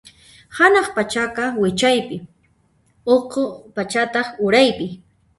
Hanaq pachaqa wichaypi, ukhu pachataq uraypi.